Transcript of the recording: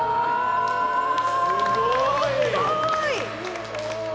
「すごい！」